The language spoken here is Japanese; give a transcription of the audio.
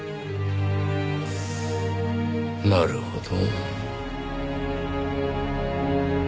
なるほど。